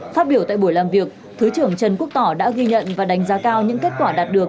phát biểu tại buổi làm việc thứ trưởng trần quốc tỏ đã ghi nhận và đánh giá cao những kết quả đạt được